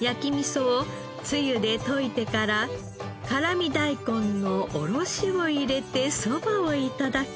焼きみそをつゆで溶いてから辛味大根のおろしを入れてそばを頂く。